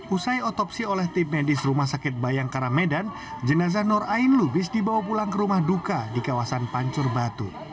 usai otopsi oleh tim medis rumah sakit bayangkara medan jenazah nur ain lubis dibawa pulang ke rumah duka di kawasan pancur batu